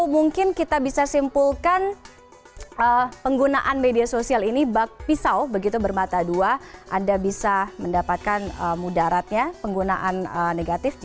mungkin anda bisaishment share di media sosial atau tidak diperkenankan